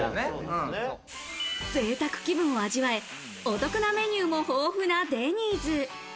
ぜいたく気分を味わえ、お得なメニューも豊富なデニーズ。